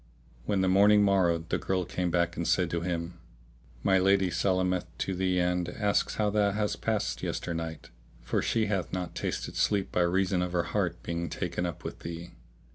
When the morning morrowed the girl came back and said to him, "My lady salameth to thee and asks how thou hast passed yesternight; for she hath not tasted sleep by reason of her heart being taken up with thee.